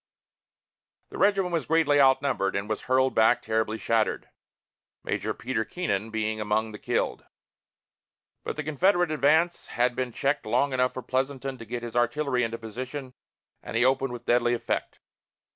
The regiment was greatly outnumbered, and was hurled back terribly shattered, Major Peter Keenan being among the killed. But the Confederate advance had been checked long enough for Pleasanton to get his artillery into position, and he opened with deadly effect.